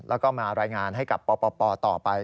แล้วก็มารายงานให้กับปปต่อไป